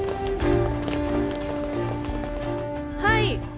「はい」